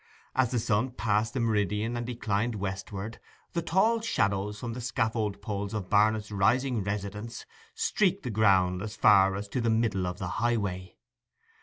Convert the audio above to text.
As the sun passed the meridian and declined westward, the tall shadows from the scaffold poles of Barnet's rising residence streaked the ground as far as to the middle of the highway.